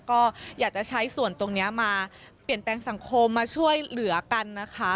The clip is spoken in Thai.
ก็อยากจะใช้ส่วนตรงนี้มาเปลี่ยนแปลงสังคมมาช่วยเหลือกันนะคะ